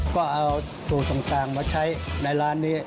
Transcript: ก็เอาสูตรต่างมาใช้ในร้านนี้